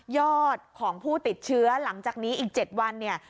อดของผู้ติดเชื้อหลังจากนี้อีก๗วันเนี่ย